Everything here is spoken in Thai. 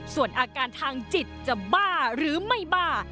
ส่วนอาการทางจิตจะบ้าหรือไม่บ้า